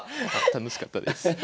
楽しかったです。